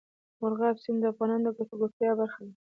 مورغاب سیند د افغانانو د ګټورتیا برخه ده.